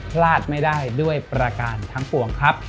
พลาดไม่ได้ด้วยประการทั้งปวงครับ